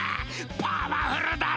パワフルだろ？